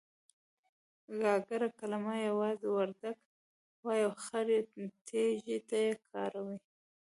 گاگره کلمه يوازې وردگ وايي او خړې تيږې ته يې کاروي.